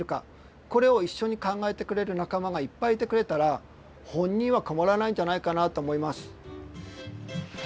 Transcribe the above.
これを一緒に考えてくれる仲間がいっぱいいてくれたら本人は困らないんじゃないかなと思います。